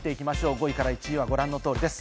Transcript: ５位から１位はご覧の通りです。